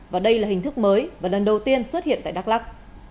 và đây là hình thức mới và lần đầu tiên xuất hiện tại đắk lắc